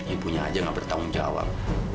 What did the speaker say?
ibunya aja nggak bertanggung jawab